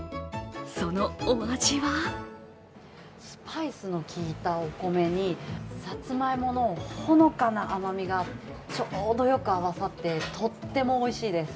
そのお味はスパイスのきいたお米にさつまいものほのかな甘味がちょうどよく合わさって、とってもおいしいです。